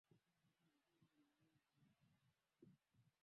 kamati ya sera ya fedha na kamati ya ukaguzi zimeundwa kisheria